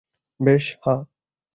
বেশ, হ্যাঁ।